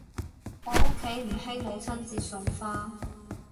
我屋企唔興母親節送花